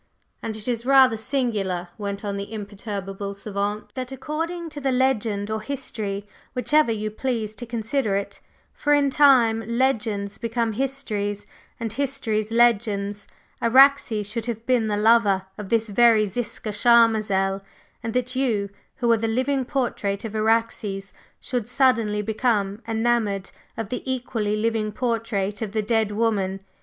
"And it is rather singular," went on the imperturbable savant, "that according to the legend or history whichever you please to consider it, for in time, legends become histories and histories legends Araxes should have been the lover of this very Ziska Charmazel, and that you, who are the living portrait of Araxes, should suddenly become enamored of the equally living portrait of the dead woman!